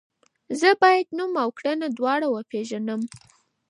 زه باید نوم او کړنه دواړه وپیژنم.